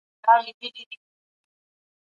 صدقه د شتمن زکات دی.